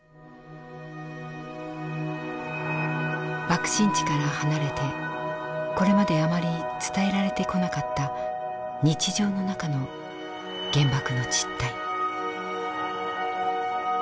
爆心地から離れてこれまであまり伝えられてこなかった日常の中の原爆の実態。